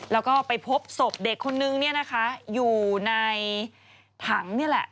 แล้วก็ไปพบศพเด็กคนนึงเนี่ยนะคะอยู่ในถังนี่แหละ